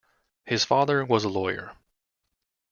His father was a lawyer.